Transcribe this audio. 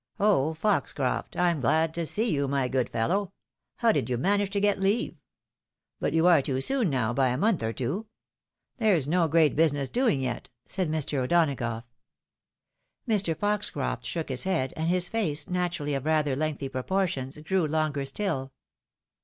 '" Oh ! Foxcroft ! I'm glad to see you, my good fellow. How did you manage to get leave ? But you are too soon, now, by a month or two. There's no great business doing yet," said Mr. O'Donagough. Mr. Foxcroft shdok his head, and his face, naturally of rather lengthy proportions, grew longer still.